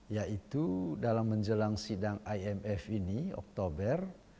yaitu dalam menjelang sidang imf ini oktober